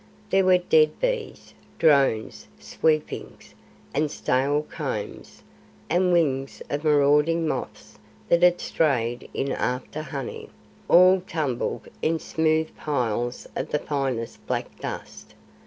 There were dead bees, drones, sweepings, and stale combs, and wings of marauding moths that had strayed in after honey, all tumbled in smooth piles of the finest black dust.